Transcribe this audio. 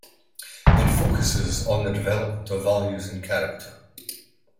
It focuses on the development of values and character.